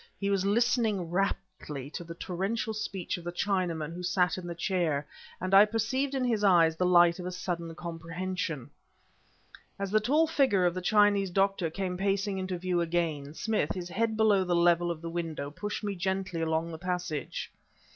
He was listening raptly to the torrential speech of the Chinaman who sat in the chair; and I perceived in his eyes the light of a sudden comprehension. As the tall figure of the Chinese doctor came pacing into view again, Smith, his head below the level of the window, pushed me gently along the passage.